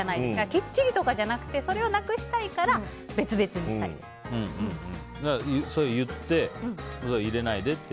きっちりとかじゃなくてそれをなくしたいから言って、入れないでって？